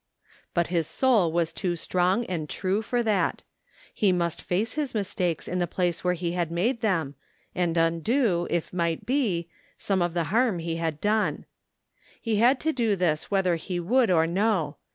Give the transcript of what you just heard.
But his soul was too strong and true for that He must face his mistakes in the place where he had made them and undo, if might be, some of the harm he had done. He had to do this whether he would or no.